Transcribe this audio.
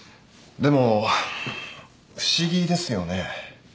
でも不思議ですよね。